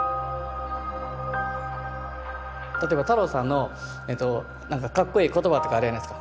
例えば太郎さんのなんかかっこいい言葉とかあるやないですか。